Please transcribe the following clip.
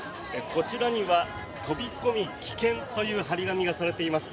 こちらには飛び込み危険という貼り紙がされています。